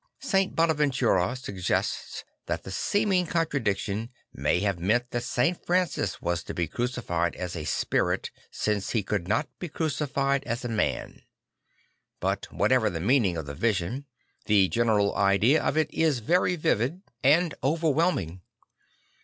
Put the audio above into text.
St. Bonaventura suggests that the seeming con tradiction may have meant that St. Francis was to be crucified as a spirit since he could not be crucified as a man; but whatever the meaning of the vision, the general idea of it is very vivid '52 St. Francis of Alsis; and overwhelming.